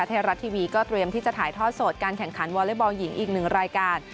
เทรัชทีวีก็เตรียมที่จะถ่ายทอดสดการแข่งขันวอเลเบิร์ลหญิงอีก๑โรยการ